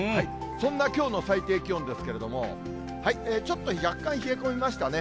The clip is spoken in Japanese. そんなきょうの最低気温ですけれども、ちょっと若干冷え込みましたね。